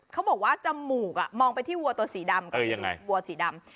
เขาบอกว่าจมูกอ่ะมองไปที่วัวตัวสีดำเออยังไงวัวสีดำ